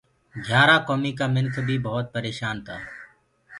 گھِيآرآ ڪوميٚ ڪآ منِک بيٚ ڀوت پريشآن تآ